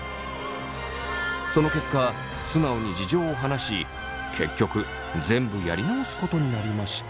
その結果素直に事情を話し結局全部やり直すことになりました。